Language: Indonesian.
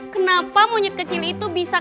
kenapa monyet kecil itu bisa